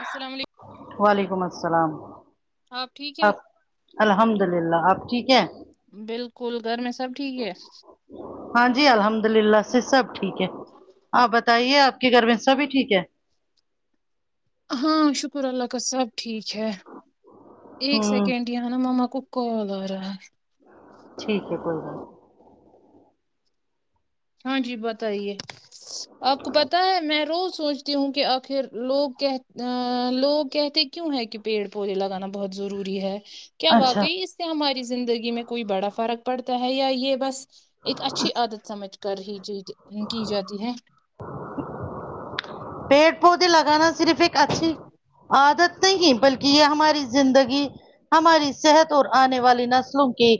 السلام علیکم وعلیکم السلام آپ ٹھیک ہے الحمد اللہ آپ ٹھیک ہے بالکل گھر میں سب ٹھیک ہے ہاں جی الحمد اللہ سے سب ٹھیک ہے ہ [unintelligible] آپ بتائیے آپ کے گھر میں سبھی ٹھیک ہے ہاں شکر اللہ کا سب ٹھیک ہے ایک ہوں سیکنڈ نانہ مما کوکال ا رہا ہے ٹھیک ہے کوئی بات نہیں ہاں جی بتائیے آپ کو پتا ہے میں روز سوچ ہوں کہ آخر لوگ کہ لوگ کہتے کیوں ہے کہ پیڑ پودے لگانا بہت ضروری ہے کیا اچھا واقعی اس سے ہماری زندگی میں کوئی بڑا فرق پڑتا ہے یا یہ بس ایک اچھی عادت سمجھ کر ہی چی کی جاتی ہے پیڑ پودے لگانا صرف ایک اچھی عادت نہیں بلکہ یہ ہماری زندگی ہماری صحت اور آنے والی نسلوں کی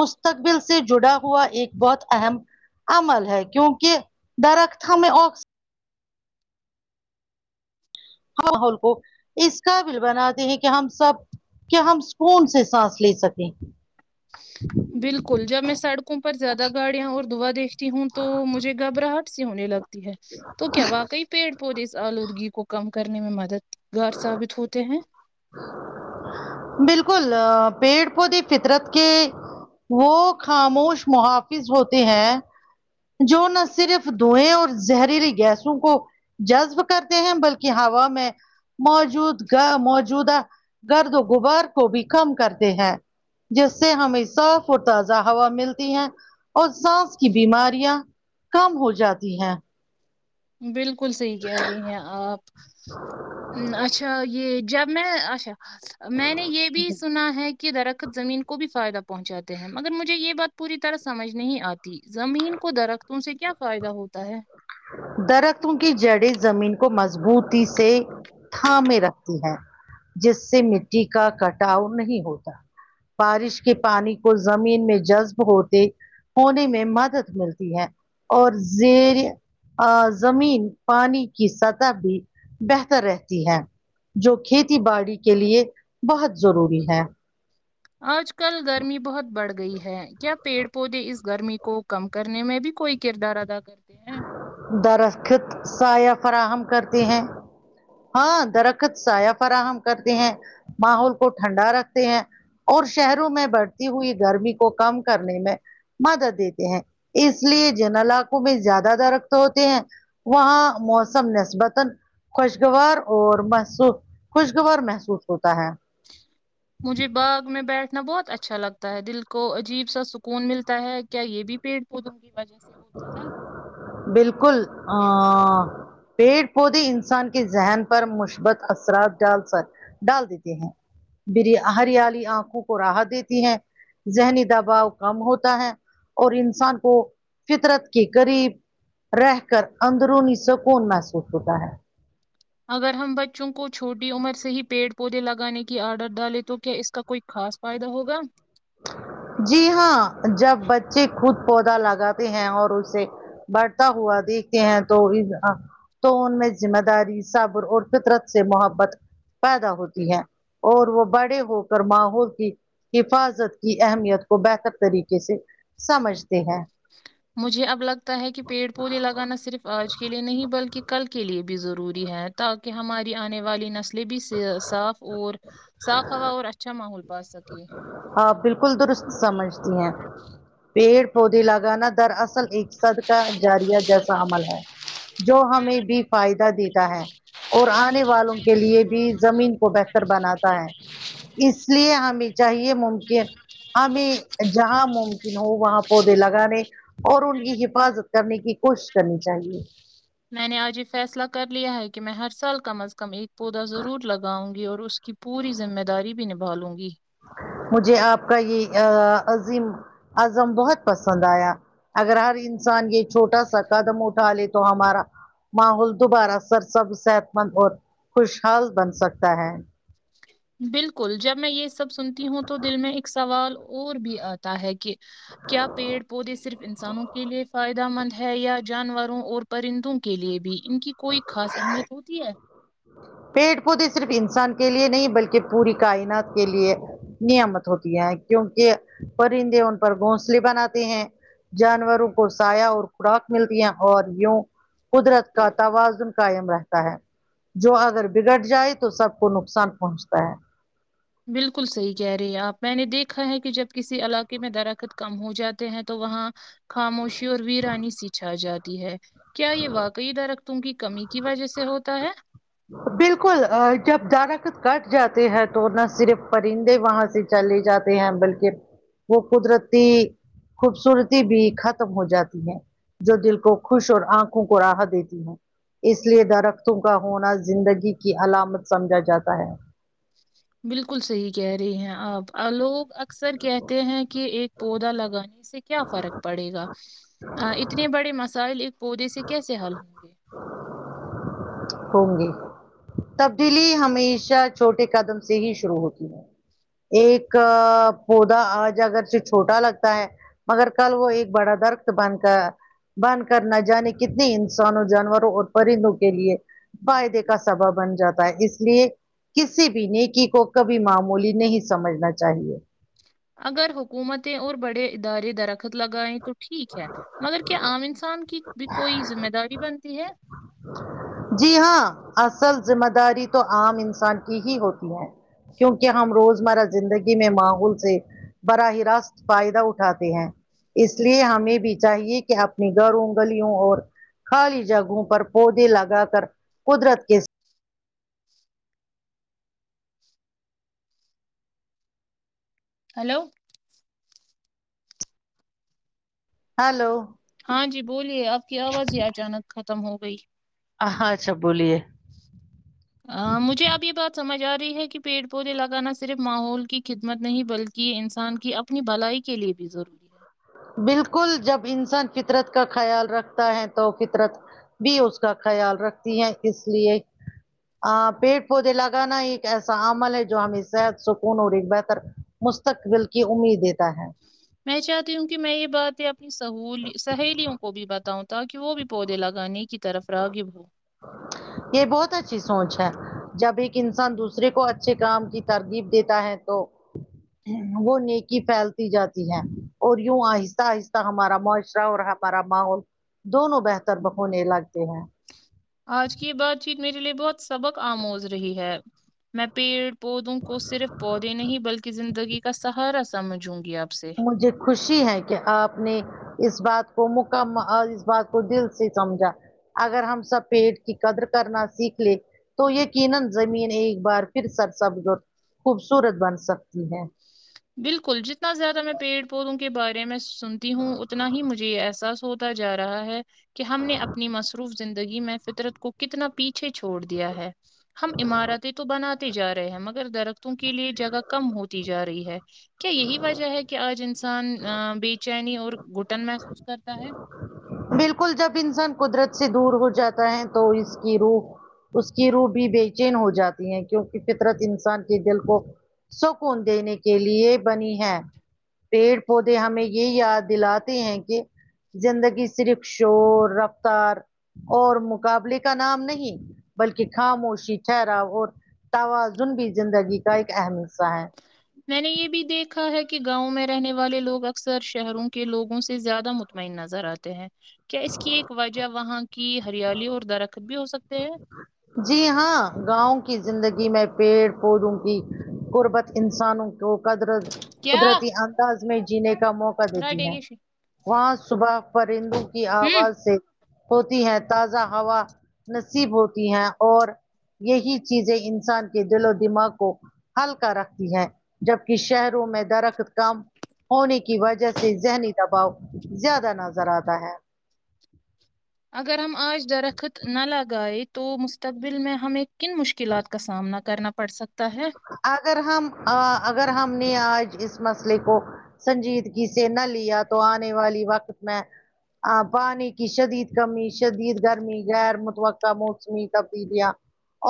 مستقبل سے جڑا ہوا ایک بہت اہم عمل ہے کیونکہ درخت ہمیں آک ماحول کو اس کا بل بناتے ہیں کہ ہم سب کیا ہم سکون سے سانس لے سکیں بالکل جب میں سڑکوں پر زیادہ گاڑیاں اور دھوا دیکھتی ہوں تو مجھے گھبراہٹ سی ہونے لگتی ہے تو کیا واقعی پیڑ پودے اس آلودگی کو کم کرنے میں مددگار ثابت ہوتے ہیں بالکل پیڑ پودے فطرت کے وہ خاموش محافظ ہوتے ہیں جو نہ صرف دھویں اور زہریلی گیسوں کو جذب کرتے ہیں بلکہ ہوا میں موجود گ موجودہ گرد و غبار کو بھی کم کرتے ہیں جس سے ہمیں صاف اور تازہ ہوا ملتی ہے اور سانس کی بیماریاں کم ہو جاتی ہیں بالکل صحیح کہہ رہی ہیں آپ اچھا یہ جب میں اچھا میں نے یہ بھی سنا ہے کہ درخت زمین کو بھی فائدہ پہ پہنچاتے ہیں مگر مجھے یہ بات پوری طرح سمجھ نہیں آتی زمین کو درخت تو ان سے کیا فائدہ ہوتا ہے درختوں کی جڑیں زمین کو مضبوطی سے تھا مے رکھتی ہے جس سے مٹی کا کٹاؤ نہیں ہوتا بارش کے پانی کو زمین میں جذب ہوتے ہونے میں مدد ملتی ہے اور زیر آ زمین پانی کی سطح بھی بہتر رہتی ہے جو کھیتی باڑی کے لیے بہت ضروری ہے آج کل گرمی بہت بڑھ گئی ہے کیا پیڑ پودے اس گرمی کو کم کرنے میں بھی کوئی کردار ادا کرتے ہیں درخت سایہ فراہم کرتی ہیں ہاں درخت سایہ فراہم کرتے ہیں ماحول کو ٹھنڈا رکھتے ہیں اور شہروں میں بڑھتی ہوئی گرمی کو کم کرنے میں مدد دیتے ہیں اس لیے جن علاقوں میں زیادہ درخت ہوتے ہیں وہاں موسم نسبتن خوشگوار اور محسو خوشگوار محسوس ہوتا ہے مجھے باغ میں بیٹھنا بہت اچھا لگتا تا ہے دل کو عجیب سا سکون ملتا ہے کیا یہ بھی پیڑ پودوں کی وجہ سے ہوتا ہے بالکل ا پیڑ پودے انسان کے ذہن پر مثبت اثرات ڈال س ڈال دیتے ہیں بری ہریالی آنکھوں کو راحت دیتی ہیں ذہنی دباؤ کم ہوتا ہے اور انسان کو فطرت کے قریب رہ کر اندرونی سکون محسوس ہوتا ہے اگر ہم بچوں کو چھوٹی عمر سے ہی پیڑ پودے لگانے کی عادت ڈالیں تو کیا اس کا کوئی خاص فائدہ ہوگا جی ہاں جب بچے خود پودا لگاتے ہیں اور اسے بڑھتا ہوا دیکھتے ہیں تو بھی تو ان میں ذمہ داری صبر اور فطرت سے محبت پیدا ہوتی ہے اور وہ بڑے ہو کر ماحول کی حفاظت کی اہمیت کو بہتر طریقے سے سمجھتے ہیں [inaudible] مجھے اب لگتا ہے کہ پیڑ پودے لگانا صرف آج کے لے نہیں بلکہ کل کے لیے بھی ضروری ہے تاکہ ہماری آنے والی نسل لی بھی سے صاف اور صاف ہوا اور اچھا ماحول پا سکیے آپ بالکل درست سمجھتی ہیں پیڑ پودے لگانا در اصل ایک صد کا جاریہ جیسا عمل ہے جو ہمیں بھی فائدہ دیتا ہے اور آنے والوں کے لیے بھی زمین کو بہتر بناتا ہے اس لیے ہمیں چاہیے ممکن ہمیں جہاں ممکن ہو وہاں پودے لگانے اور ان کی حفاظت کرنے کی کوشش کرنی چاہیے میں نے آج یہ فیصلہ کر لیا ہے کہ میں ہر سال کم از کم ایک پودا ضرور لگاؤں گی اور اس کی پوری ذمہ داری بھی نبھالوں گی مجھے آپ کا یہ اں عظیم عظم بہت پسند آیا اگر ہر انسان یہ چھوٹا سا قدم اٹھا لے تو ہمارا ماحول دوبارہ سر سب صحت مند اور خوشحال بن سکتا ہے بالکل جب میں یہ سب سنتی ہوں تو دل میں ایک سوال اور بھی آتا ہے کہ کیا پیڑ پودے صرف انسانوں کے لیے فائدہ مند ہے یا جانوروں اور پرندوں کے لیے بھی ان کی کوئی خاص اہمیت ہوتی ہے پیڑ پودے صرف انسان کے لیے نہیں بلکہ پوری کائنات کے لیے نیامت ہوتی ہے کیونکہ پرندے ان پر گھونسلے بناتے ہیں جانوروں کو سایہ اور خوراک ملتی ہے اور یوں قدرت کا توازن قائم رہتا ہے جو اگر بگڑ جائے تو سب کو نقصان پہنچتا ہے بالکل صحیح کہہ رہی ہیں آپ میں نے دیکھا ہے کہ جب کسی علاقے میں درخت کم ہو جاتے ہیں تو وہاں خاموشی اور ویرانی س چھا جاتی ہے کیا یہ واقعی د رکتوں کی کمی کی وجہ سے ہوتا ہے بالکل جب دارخت کٹ جاتے ہیں تو نہ صرف پرندے وہاں سے چلے جاتے ہیں بلکہ وہ قدرتی خوبصورتی بھی ختم ہو جاتی ہے جو دل کو خوش اور آنکھوں کو راہ دیتی ہ اس لیے درختوں کا ہونا زندگی کی علامت سمجھا جاتا ہے بالکل صحیح کہہ رہی ہیں آپ ا لوگ اکثر کہتے ہیں کہ ایک پودا لگانے سے کیا فرق پڑے گا اتنے بڑے مسائل ایک پودے سے کیسے حل ہوں گے تبدیلی ہمیشہ چھوٹے قدم سے ہی شروع ہوتی ہے ایک پودا آج اگر سے چھوٹا لگتا ہے مگر کل وہ ایک بڑا درخت بن کر بن کر نہ جانے کتنے انسانوں جانوروں اور پرندوں کے لیے فائدے کا سبب بن جاتا ہے اس لیے کسی بھی نیک اگر حکومتیں اور بڑے ادارے درخت لگائیں تو ٹھیک ہے مگر کہ عام انسان کی بھی کوئ ذمہ داری بنتی ہے جی ہاں اصل ذمہ داری تو عام انسان کی ہی ہوتی ہے کیونکہ ہم روزمرہ زندگی میں ماحول سے براہ راست فائدہ اٹھاتے ہیں اس لیے ہمیں بھی چاہیے کہ اپنے گھروں گلیوں اور خالی جگہوں پر پودے لگا کر قدرت کے ہیلو ہلو ہاں جی بولیے آپ کی آواز ہی اچانک ختم ہو گئی ہ ہاں اچھا بولیے مجھے اب یہ بات سمجھ آ رہی ہے کہ پیڑ پودے لگانا صرف ماحول کی خدمت نہیں بلک کہ انسان کی اپنی بھلائی کے لیے بھی ضروری ہے بالکل جب انسان فطرت کا خیال رکھتا ہے تو فطرت بھی اس کا خیال رکھتی ہیں اس لیے آ پیڑ پودے لگانا ایک ایسا عمل ہے جو ہمیں صحت سکون اور ایک بہتر مستقبل کی امید دیتا ہے میں چاہتی ہوں کہ میں یہ باتیں اپنی سہول سہیلیوں کو بھی بتاؤں تاکہ وہ بھی پودے لگانے کی طرف راغب ہو یہ بہت اچھی سوچ ہے جب ایک انسان دوسرے کو اچھے کام کی ترتییب دیتا ہے تو وہ نیکی پھیلتی جاتی ہے اور یوں آہستہ آہستہ ہمارا معاشرہ اور ہمارا ماحول دونوں بہتر ہونے لگتے ہیں آج کی یہ بات چیت میرے لیے بہت سبق آموز رہی ہے میں پیڑ پودوں کو صرف پودے نہیں بلکہ زندگی کا سہارا سمجھوں گی آپ سے مجھے خوشی ہے کہ آپ نے اس بات کو مکم اور اس بات کو دل سے سمجھا اگر ہم سب پیٹ کی قدر کرنا سیکھ لے تو یقینا زمین ایک بار پھر سرسبز اور خوبصورت بن سکتی ہے بالکل جتنا زیادہ میں پیڑ پودوں کے بارے میں سنتی ہوں اتنا ہی مجھے یہ احساس سوتا جا رہا ہے کہ ہم نے اپنی مصروف زندگی میں فطرت کو کتنا پیچھے چھوڑ دیا ہے ہم عمارتیں تو بناتے جا رہے ہیں مگر درختوں کے لیے جگہ کم ہوتی جا رہی ہے کیا یہی وجہ ہے کہ آج انسان بے چینی اور گٹن محسوس کرتا ہے بالکل جب انسان قدرت سے دور ہو جاتا ہے تو اس کی روح اس کی روح بھی بے چین ہو جاتی ہے کیونکہ فطرت انسان کے دل کو سکون دینے کے لیے بنی ہے پیڑ پودے ہمیں یہ یاد دلاتے ہیں کہ زندگی صرف شور رفتار اور مقابلے کا نام نہیں بلکہ خاموشی ٹھہرا اور توازن بھی زندگی کا ایک اہم حصہ ہے میں نے یہ بھی دیکھا ہے کہ گاؤں میں رہنے والے لوگ اکثر شہروں کے لوگوں سے زیادہ م مطمئن نظر آتے ہیں کیا اس کی ایک وجہ وہاں کی ہریالی اور درخت بھی ہو سکتے ہیں جی ہاں گاؤں کی زندگی میں پیڑ پودوں کی قربت انسانوں کو قدرت کیا قدرتی انداز میں جینے کا موقع دیتی رٹے ہے گی شی وہاں صبح پرندوں کی آواز ہوں سے ہوتی ہے تازہ ہوا نصیب ہوتی ہے اور یہی چیزیں انسان کے دل و دماغ کو ہلکا رکھتی ہے جبک شہروں میں درخت کم ہونے کی وجہ سے ذہنی دباؤ زیادہ نظر آتا ہے اگر ہم آج درخت نہ لگائے تو مستقبل میں ہم ایک کن مشکلات کا سامنا کرنا پڑ سکتا ہے اگر ہم اگر ہم نے آج اس مسئلے کو سنجیدگی سے نہ لیا تو آنے والی وقت میں پانی کی شدید کمی شدید گرمی غیر متوقع موسمی تبدیلیاں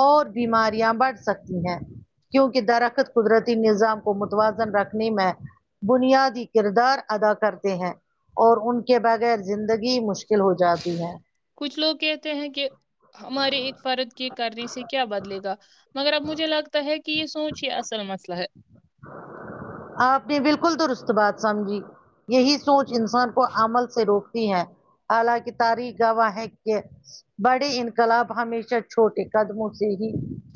اور بیماریاں بڑھ سکتی ہیں کیونکہ درکت قدرتی نظام کو متوازن رکھنے میں بنیادی کردار ادا کرتے ہیں اور ان کے بغیر زندگی مشکل ہو جاتی ہے کچھ لوگ کہتے ہیں کہ ہمارے ایک فرد کے کرنے سے کیا بدلے گا مگر اب مجھے لگتا ہے کہ یہ سوچ ہی اصل مسئلہ ہے آپ نے بالکل درست بات سمجھی یہی سوچ انسان کو عمل سے روکتی ہے الاکے کی تاریخ گواہ ہے کے بڑے انقلاب ہمیشہ چھوٹے قدموں سے ہی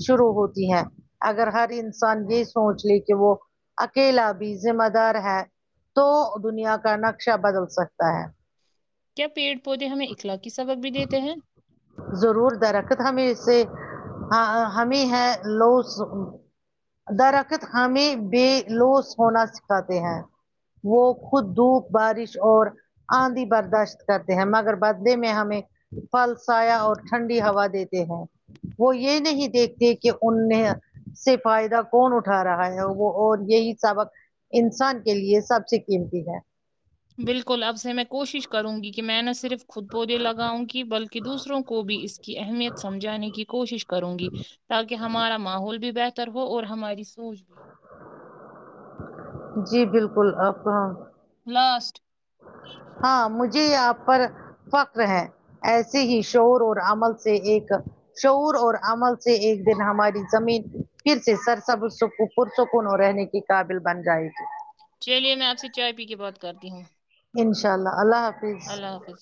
شروع ہوتی ہیں اگر ہر انسان یہ سوچ لے کہ وہ اکیلا بھی ذمہ دار ہے تو دنیا کا نقشہ بدل سکتا ہے کیا پیڑ پودے ہمیں اخلاقی سبق بھی دیتے ہیں ضرور درخت ہمیں اس سے ہاں ہمیں ہے لو درخت ہمیں بے لوس ہونا سکھاتے ہیں وہ خود دھوپ بارش اور آندھی برداشت کرتے ہیں مگر بدلے میں ہمیں پھل سایا اور ٹھنڈی ہوا دیتے ہیں وہ یہ نہیں دیکھتے کہ ان میں سے فائدہ کون اٹھا رہا ہے وہ اور یہی سبق انسان کے لیے سب سے قیمتی ہے بالکل اب سے میں کوشش کروں گی کہ میں نےس صرف خود پودے لگاؤں کی بلکہ دوسروں کو بھی اس کی اہمیت سمجھانے کی کوشش کروں گی تاکہ ہمارا ماحول بھی بہتر ہو اور ہماری سوچ بھی جی بالکل آپ کہاں لاسٹ ہاں مجھے یہ آپ پر فخر ہے ایسے ہی شور اور عمل سے ایک شعور اور عمل سے ایک دن ہماری زمین پھر سے سرسب سکو پر سکون رہنے کی قابل بن جانے گی چلیے میں آپ سے چائے پی کے بات کرتی ہوں انشاء اللہ اللہ حافظ اللہ حافظ